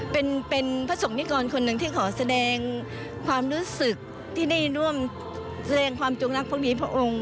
เป็นพระศกนิกรคนหนึ่งที่ขอแสดงความรู้สึกที่ได้ร่วมแสดงความจงรักภักดีพระองค์